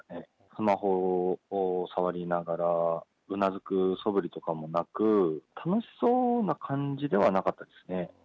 スマホを触りながら、うなずくそぶりとかもなく、楽しそうな感じではなかったですね。